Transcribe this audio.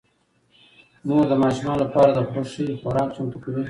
مور د ماشومانو لپاره د خوښې خوراک چمتو کوي